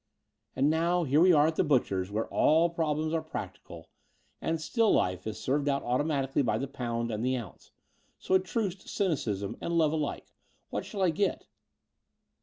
"And now here we are at the butcher's, where all problems are practical and still life is served out automatically by the potmd and the ounce: so a truce to cynicism and love alike. What shall I get?"